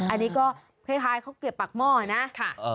อันนี้ก็คล้ายเขาเกลียดปากหม้อนะค่ะ